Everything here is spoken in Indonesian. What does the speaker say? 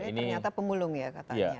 ini ternyata pemulung ya katanya